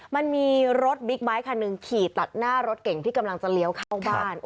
มันมีรถบิ๊กไบท์คันหนึ่งขี่ตัดหน้ารถเก่งที่กำลังจะเลี้ยวเข้าบ้าน